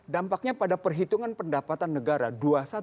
dampaknya pada perhitungan pendapatan negara di indonesia